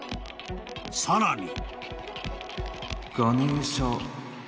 ［さらに］